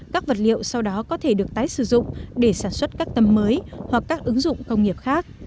các vật liệu sau đó có thể được tái sử dụng để sản xuất các tấm mới hoặc các ứng dụng công nghiệp khác